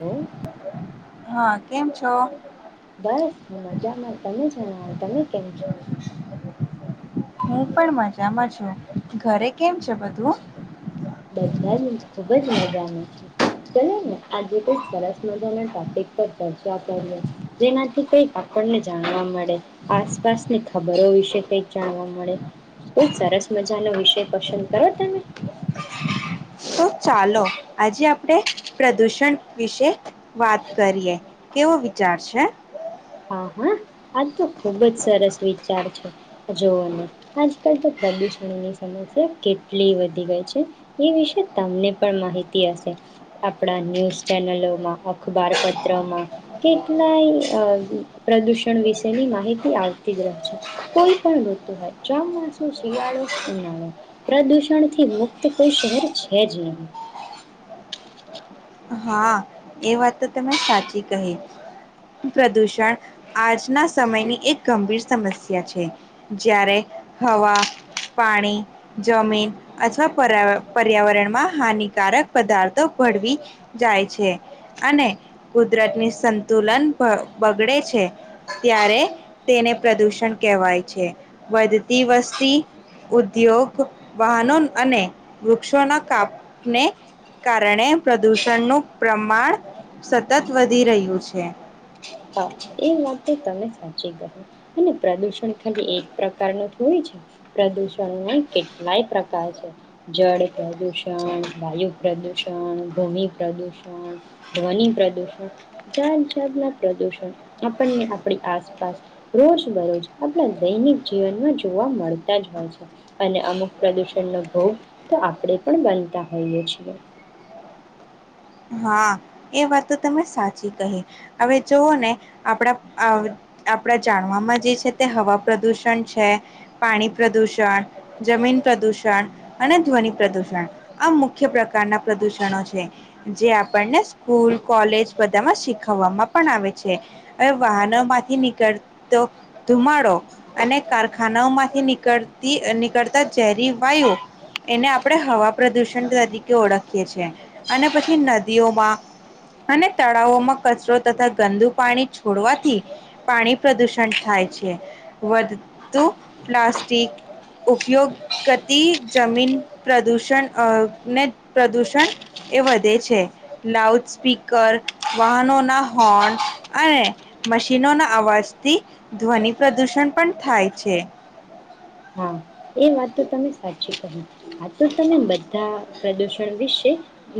ઓહ. હા કેમ છો? બસ હું મજામાં, તમે જણાવો તમે કેમ છો? હું પણ મજામાં છું ઘરે કેમ છે બધું? બધા જ ખુબજ મજાનું છે. ચલો ને આજે કઈક સરસ મજાના ટોપિક પર ચર્ચા કર્યો જેનાથી કઈ આપણને જાણવા મળે. આસપાસની ખબરો વિશે કઈક જાણવા મળે કોઈ સરસ મજાનો વિષય પસંદ કરો તમે. તો ચાલો આજે આપડે પ્રદુષણ વિશે વાત કરીએ, કેવો વિચાર છે. હા હા, આ તો ખૂબ જ સરસ વિચાર છે જુઓને આજકાલ તો પ્રદૂષણની સમસ્યા કેટલી વધી ગઈ છે. એ વિશે તમને પણ માહિતી હશે. આપણા ન્યૂઝ ચેનલોમાં, અખબાર પત્રમાં કેટલાય અ પ્રદૂષણ વિશેની માહિતી આવતી જ રહેશે કોઈ પણ ઋતુ હોય ચોમાસું શિયાળો ઉનાળો પ્રદૂષણ થી મુક્ત કોઈ શહેર છે જ નહી. હા એ વાત તો તમે સાચી કહી પ્રદૂષણ આજના સમયની એક ગંભીર સમસ્યા છે જ્યારે હવા પાણી જમીન અથવા પર્યા પર્યાવરણમાં હાનિકારક પદાર્થો ભળવી જાય છે. અને કુદરતની સંતુલન બગડે છે ત્યારે તેને પ્રદુષણ કહેવાય છે વધતી વસ્તી ઉદ્યોગ વાહનો અને વૃક્ષોના કાપને કારણે પ્રદુષણનું પ્રમાણ સતત વધી રહ્યું છે. હા સાચી કરી અને પ્રદુષણ ખાલી એક પ્રકાર ન થોડી છે પ્રદુષણ કેટલાય પ્રકાર છે જળ પ્રદુષણ વાયુ પ્રદુષણ ધૂણી પ્રદુષણ ધ્વનિ પ્રદુષણ જાત જાાત ના પ્રદુષણ આપણને આપણી આસપાસ રોજ બરોજ આપણા દૈનિક જીવનમાં જોવા મળતા જ હોય છે અને અમુક પ્રદુષણનો ભોગ તો આપણે પણ બનતા હોઈએ છીએ. હા એ વાત તમે સાચી કહી હવે જોઓ ને આપણા આપણા જાણવામાં જે છે તે હવા પ્રદુષણ છે પાણી પ્રદુષણ જમીન પ્રદુષણ અને ધ્વનિ પ્રદુષણ આ મુખ્ય પ્રકારના પ્રદુષણો છે. જે સ્કૂલ કોલેજ બધામાં શીખવવામાં પણ આવે છે હવે વાહનો માંથી નીકળતો ધુમાડો અને કારખાનાઓમાંથી નીકળતી નીકળતા ઝેરી વાયુ એને આપણે હવા પ્રદુષણ તરીકે ઓળખીએ છી અને પછી નદીઓમાં અને તળાવોમાં કચરો તથા ગંદુ પાણી છોડવાથી પાણી પ્રદુષણ થાય છે વધતુ પ્લાસ્ટિક ઉપયોગતિ જમીન પ્રદુષણ ને પ્રદુષણ એ વધ છે લાઉડ સ્પીકર વાહનોના હોર્ન અને મશીનોના અવાજથી ધ્વનિ પ્રદુષણ પણ થાય છે. હા એ વા તમે સાચી ક આ તો તમે બધા પ્રદૂષણ વિશે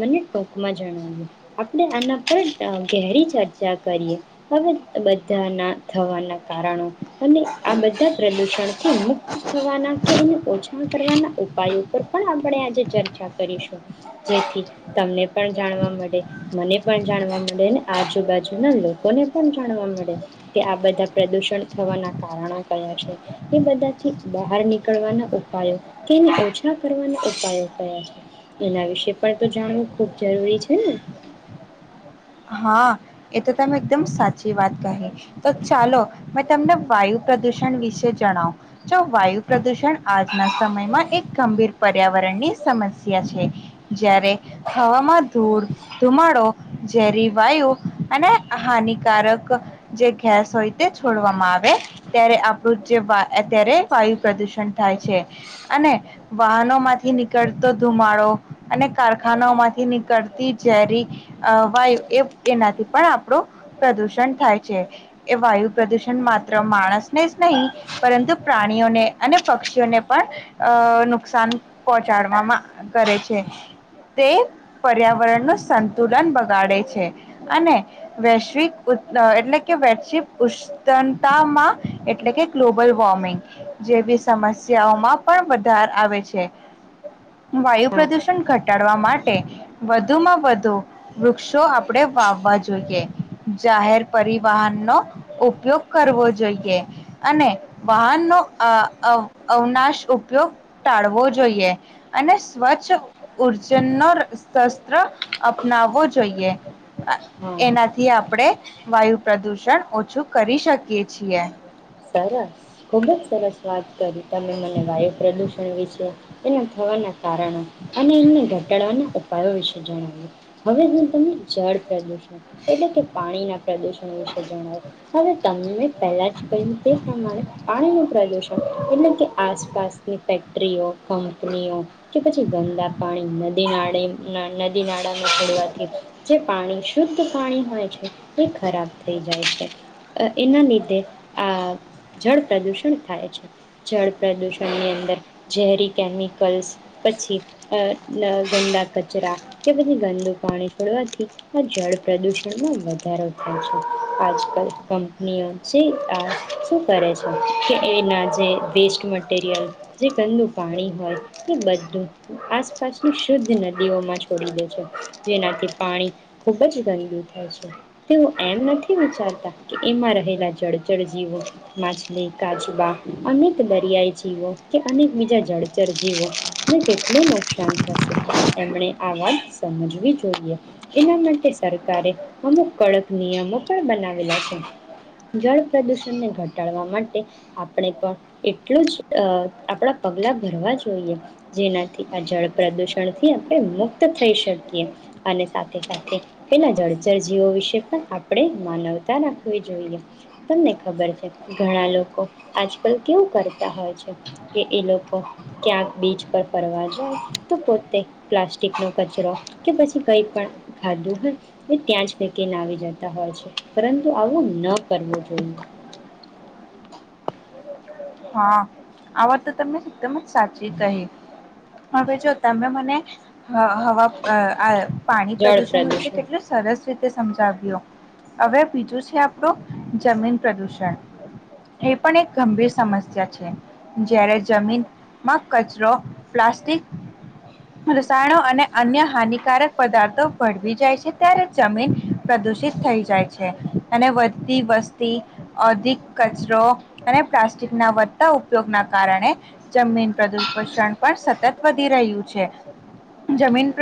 મને ટૂંકમાં જણાવ્યું આપણે આના પર ઘેરી ચર્ચા કરીએ હવે બધાના થવાના કારણો અને આ બધા પ્રદૂષણથી મુક્ત થવાના છા કરવાના ઉપાય ઉપર પણ આપણે આજે ચર્ચા કરીશું જેથી તમને પણ જાણવા મળે મને પણ જાણવા મળે અને આજુબાજુના લોકોને પણ જાણવા મળે કે આ બધા પ્રદુષણ થવાના કારણો કયા છે એ બધાથી બહાર ની ના ઉપાયો ઓછા કરવાના ઉપાયો કયા છે એના વિશે પણ તો જાણવું ખૂબ જરૂરી છે ને હા એ તો તમે એકદમ સાચી વાત કહી તો ચાલો મેં તમને વાયુ પ્રદુષણ વિશે જણાવ જો વાયુ પ્રદુષણ આજના સમયમાં એક ગંભીર પર્યાવરણની સમસ્યા છે જારે હવામાં ધૂળ ધુમાડો ઝેરી વાયુ અને હાનિકારક જે ગેસ હોય તે છોડવામાં આવે ત્યારે આપણું જે અત્યારે વાયુ પ્રદુષણ થાય છે અને વાહનો માંથી નીકળતો ધુમાડો અને કારખાનાઓ માંથી નીકળતી ઝેરી એનાથી પણ આપણું પ્રદુષણ થાય છે એ વાયુ પ્રદુષણ માત્ર માણસને જ નહીં પરંતુ પ્રાણીઓને અને પક્ષીઓને પણ અ નુકસાન પહોંચાડવામાં કરે છે તે પર્યાવરણ ન સંતુલન ગાડે છે અને વૈશ્વિક એટલે કે વૈશ્વિક ઉતામાં એટલે કે ગ્લોબલ વોર્મિંગ જેવી સમસ્યાઓમાં પણ વધાર આવે છે. વાયુ હા પ્રદૂષણ ઘટ ઘટાડવા માટે વધુમાં વધુ વૃક્ષો આપણેે વાવવા જોઈએ જાહેર પરિવહન નો ઉપયોગ કરવો જોઈએ અને વાહનનોો અવનાશ ઉપયોગ ટાળવો જોઈએ અને સ્વચ્છ ઉર્જન નો શસ્ત્ર અપનાવવો જોઈએ. હા એનાથી આપણેે વાયુ પ્રદુષણ ઓછું કરી શકીએ છીએ. સરસ ખુબ જ સરસ વાત કરી. તમે મને વાયુ પ્રદૂષણ વિશે એના થવાના કારણે અને એને ઘટાડવાના ઉપાયો વિશે જણાવ્યું. હવે હું તમે જાડ પ્રદૂષ એટલે કે પાણી ના પ્રદુષણ. હમ્મ. જણાવ હવે તમે પેલા ચ કયી રીતે પ્રમાણે પાણીનું પ્રદૂષણ એટલે કે આસપાસ કે ફેક્ટરીઓ કંપનીઓ કે પછી ગંદા પાણી નદી નાળી ના દિનાળમાં ખોડવાથી જે પાણી શુદ્ધ પાણી હોય છે એ ખરાબ થઈ જાય છે. અ એના લીધે આ જળ પ્રદૂષણ થાય છે. જળ પ્રદૂષણની અંદર ઝેરી કેમિકલ્સ પછી અ ન ગંદા કચરા કે પછી ગંદુ પાણી છોડવાથી આ જળ પ્રદૂષણમાં વધારો થાય છે. આજકાલ કંપનીઓ જે આ શું કરે છે કે એના જે વેસ્ટ મટીરિયલ જે ગંદુ પાણી હોય એ બધું આસપાસની શુદ્ધ નદીઓમાં છોડી દે છે. જેનાથી પાણી ખૂબ જ ગંદુ થાય છે. તેઓ એમ નથી વિચારતા કે એમાં રહેલા જડ જળ જીવો જીવો માછલી કાજબા અનેક દરિયાઈ જીવો કે અનેક બીજા જળચરજીવોને કેટલું નુકસાન થશે એમણે આ વાત સમજવી જોઈએ એના માટે સરકારે અમુક કડક નિયમો પણ બનાવેલા છે જળ પ્રદૂષણને ઘટાડવા માટે આપણે પણ એટલું જ અ આપણા પગલા ભરવા જોઈએ જેનાથી આ જળ પ્રદૂષણથી આપણે મુક્ત થઈ શકીએ અને સાથે સાથે પેલા જળચરજીવો વિશે પણ આપણે માનવતા રાખવી જોઈએ. તમને ખબર છે ઘણા લોકો આજકાલ કેવું કરતા હોય છે કે એ લોકો ક્યાંક બીચ પર ફરવા જાય તો પોતે પ્લાસ્ટિકનો કચરો કે પછી કંઈ પણ ખાધું હોય એ ત્યાં જ ફકીને આવી જતા હોય છે પરંતુ આવું ન કરવું. જોઈએ હા આવડ તો તમને એકદમ જ સાચી કહે. હવે જો તમે મને હ હવા પાણી જળ પ્રદુષણ વિશે પ્રદૂષણ કેટલું સરસ. સમજાવ હવે બીજું છે આપણું જમીન પ્રદુષણ એ પણ એક ગંભીર જ્યારે જમીનમાં કચરો પ્લાસ્ટિક રસાયણો અને અન્ય હાનિકારક પદાર્થો ભળવી જાય છે ત્યારે જમીન પ્રદુષિત થઈ જાય છે અને વધતી વસ્તી અધિક કચરો અને પ્લા વધ ઉપયોગના કારણે જમીન પ્રદુષણ પણ સતત વધી રહ્યું છે જમીન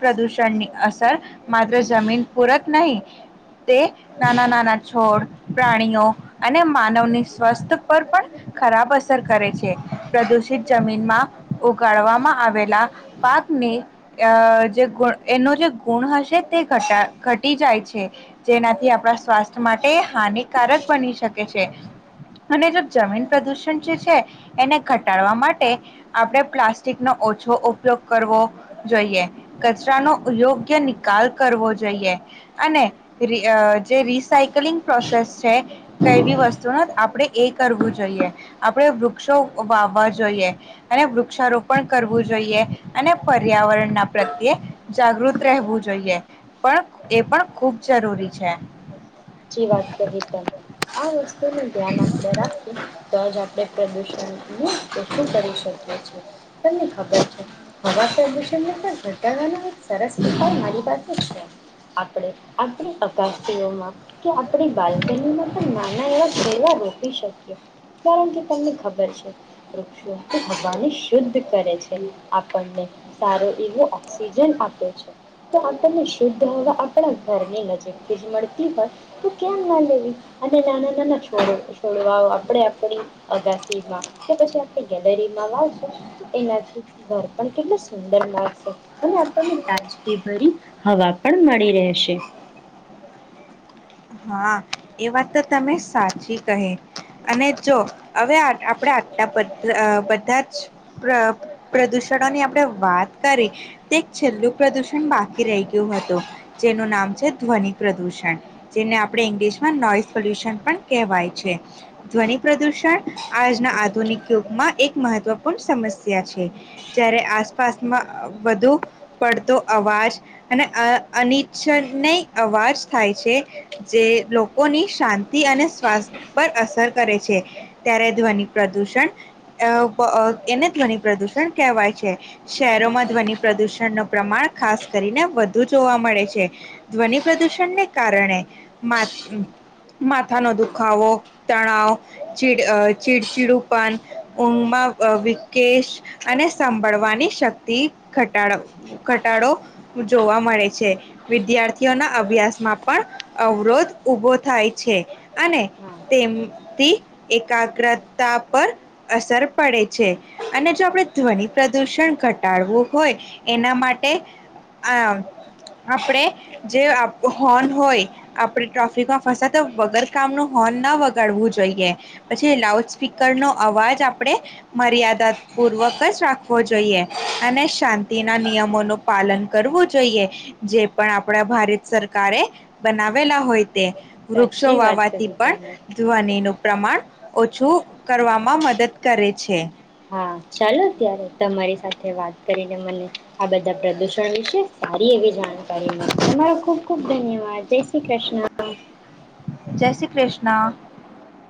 પ્રદૂષણની અસર માત્ર જમીન પૂરક નહી તે નાના નાના છોડ પ્રાણીઓ અને માનવની સ્વસ્થ પર પણ ખરાબ અસર કરે છે પ્રદુષિત જમીનમાં ઉગાડવામાં આવેલા પાકને જે ગુ એનો જે ગુણ હશે તે ઘટા ઘટી જાય છે જેનાથી આપણા સ્વાસ્થ્ય માટે હાનિકારક બની શકે છે અને જમીન પ્રદૂષણ જે છે એને ઘટાડવા માટે આપણે પ્લાસ્ટિકનો ઓછો ઉપયોગ કરવો જોઈએ. કચરાનો યોગ્ય નિકાલ કરવો જોઈએ. અને ર જે રિસાયકલિંગ પ્રોસેસ છે છે કઈ બી વસ્તુ ન આપણે એ કરવું જોઈએ, આપણેે વૃક્ષો વાવવા જોઈએ અને વૃક્ષારોપણ કરવું જોઈએ. અને પર્યાવરણ ના પ્રત્યે જાગૃત રહેવું જોઈએ પણ એ પણ ખૂબ જરૂરી છે. છી વાત કરી તે. ને ધ્યાન આપે રાખીએ તોજ આપડણે પ્રદૂષણ [inaudible] કરી. શકીએ છે. તમને ખબર છે હવા પ્રદુષણને પણ ઘટાડવાના સરસ ઉપાય મારી પાસે છે આપડે આપણી અકસ્ટીઓ માં કે આપડી બાલ્કનીમાં પણ નાના એવા ઘઉંવા રોપી શકીએ કારણ કે તમને ખબર છે વૃક્ષો હવાને શુદ્ધ કરે છે. આપણને સારો એવો ઓક્સિજન આપે છે. તો આપણને શુદ્ધ હવા આપણા ઘરની નજીકથી જ મળતી હોય. તો ક્યામ ના લેવી, અને નાના નાના છોડ છોડવાઓ આપણે આપણી અગાસીમાં કે પછી આપણી ગેલેરીમાં વાવશું એનાથી ઘર પણ કેટલું સુંદર લાગશે. અને આપણને તાજગી ભરી હવા પણ મળી રહેશે. હા એ વાત તો તમે સાચી કહે, અને જો હવે આપણે આટલા બ બધા જ પ્ર પ્રદૂષણોની આપણે વાત કરી તે એક છેલ્લું પ્રદુષણ બાકી રહી ગયું હતું જેનું નામ છે ધ્વનિ પ્રદૂષણ. જેને આપણે ઇંગ્લિશમાં નોઈસ પોલ્યુશન પણ કહેવાય છે. ધ્વનિ પ્રદૂષણ આજના આધુનિક યુગમાં એક મહત્વપૂર્ણ સમસ્યા છે. જારે આસપાસમાં વધુ પડતો અવાજ અને અ અનિચ્છય અવાજ થાય છે. જે લોકોની શાંતિ અને સ્વાસ્થ પર અસર કરે છે. ત્યારે ધ્વનિ પ્રદૂષણ અ પ એને ધ્વનિ પ્રદૂષણ કહેવાય છે. શહેરોમાં ધ્વનિ પ્રદુષણ ન પ્રમાણ ખાસ કરીને વધુ જોવા મળે છે. ધ્વનિ પ્રદૂષણને કારણે મા માથાનો દુખાવો, તણાવ, ચીડ ચીડચીડુંપન ઊંઘમાં વિકેશ અને સાભળવાની શક્તિ ઘટાડ ઘટાડો જોવા મળે છે. વિદ્યાર્થીઓના અભ્યાસમાં પણ અવરોધ ઉઊભો થાય છે. અને હા તેમથી એકાગ્રતા પર અસર પડે છે. અને જો આપણે ધ્વનિ પ્રદૂષણ ઘટાડવું હોય એના માટે આ આપણે જે હોર્ન હોય આપણે ટ્રાફિકમાં ફસાતા વગર કામ નો હોર્ન ન વગાડવું જોઈએ, પછી એ લાઉડ સ્પીકરનો અવાજ આપણેે મર્યાદાપૂર્વક જ રાખવો જોઈએ, અને શાંતિના નિયમોનું પાલન કરવું જોઈએ જે પણ આપડા ભારત સરકારે બના વેલા હોય તે. વૃક્ષો સાચી વાત વાવવાથી કહી તમે પણ ધ્વનિનું પ્રમાણ ઓછું કરવામાં મદદ કરે છે. હા ચાલો ત્યારે તમારી સાથે વાત કરીને મને આ બધા પ્રદુષણ વિશે સારી એવી જાણ કારીને તમારો ખૂબ, ખૂબ ધન્યવાદ. હા, જય શ્રી કૃષ્ણ. જય શ્રી કૃષ્ણ.